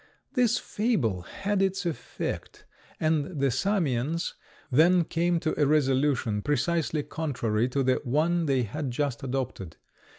This fable had its effect, and the Samians then came to a resolution precisely contrary to the one they had just adopted.